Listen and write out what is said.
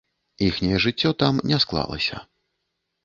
Іхняе жыццё там не склалася.